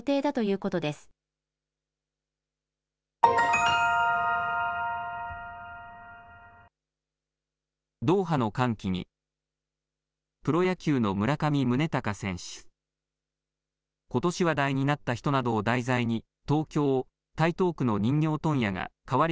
ことし話題になった人などを題材に東京台東区の人形問屋が変わり